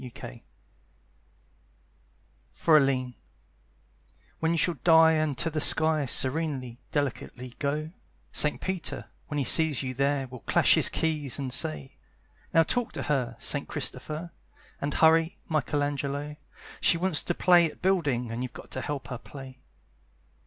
Houses (For Aline) When you shall die and to the sky Serenely, delicately go, Saint Peter, when he sees you there, Will clash his keys and say: "Now talk to her, Sir Christopher! And hurry, Michelangelo! She wants to play at building, And you've got to help her play!"